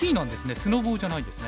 スノボじゃないんですね。